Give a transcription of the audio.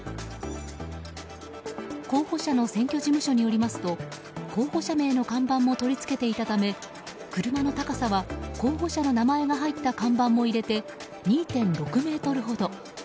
候補者の選挙事務所によりますと候補者名の看板も取り付けていたため車の高さは候補者の名前が入った看板も入れて２．６ｍほど。